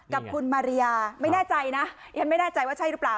กับคุณมาริยาไม่แน่ใจนะยังไม่แน่ใจว่าใช่หรือเปล่า